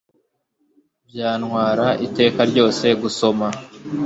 Byantwara iteka ryose gusoma